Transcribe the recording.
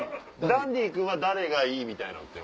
ダンディ君は誰がいいみたいなのって。